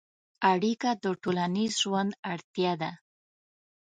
اړیکه د ټولنیز ژوند اړتیا ده.